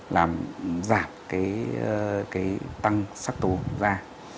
làm giảm cái tăng sắc tố da